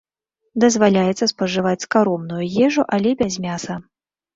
Дазваляецца спажываць скаромную ежу, але без мяса.